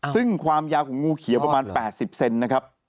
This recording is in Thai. ซึ่งความยาวของงูเขียวประมาณ๘๐เซนนะครับ